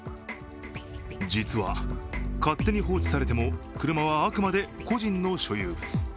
実は勝手に放置されても車はあくまで個人の私有物。